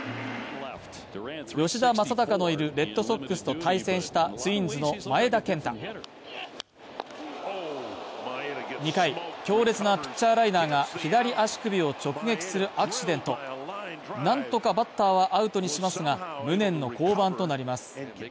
吉田正尚のいるレッドソックスと対戦したツインズの前田健太２回強烈なピッチャーライナーが左足首を直撃するアクシデント何とかバッターはアウトにしますが、無念の降板となります。